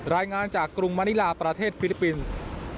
รายงานจากกรุงมณิลาประเทศฟิลิปปินส์